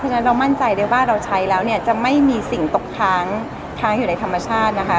เพราะฉะนั้นเรามั่นใจได้ว่าเราใช้แล้วจะไม่มีสิ่งตกท้างอยู่ในธรรมชาตินะคะ